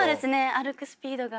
歩くスピードが。